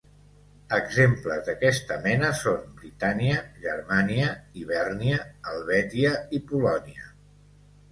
Exemples d'aquesta mena són Britània, Germània, Hibèrnia, Helvètia i Polònia.